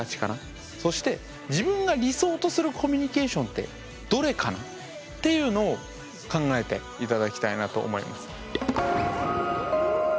そして自分が理想とするコミュニケーションってどれかな？っていうのを考えて頂きたいなと思います。